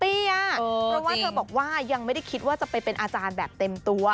เพราะว่าเธอบอกว่ายังไม่ได้คิดว่าจะไปเป็นอาจารย์แบบเต็มตัว